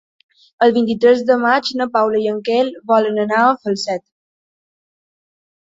El vint-i-tres de maig na Paula i en Quer volen anar a Falset.